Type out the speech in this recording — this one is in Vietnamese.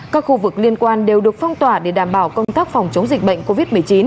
các khu vực liên quan đều được phong tỏa để đảm bảo công tác phòng chống dịch bệnh covid một mươi chín